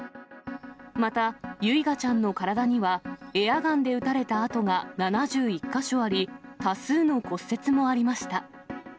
また、唯雅ちゃんの体には、エアガンで撃たれた跡が７１か所あり、多数の骨折もありました。